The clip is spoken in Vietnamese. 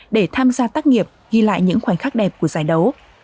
để tham gia tác nghiệp ghi lại những khoảnh khắc đẹp của giải đấu